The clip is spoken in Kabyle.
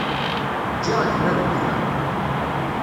Ǧǧiɣ gma deg uxxam.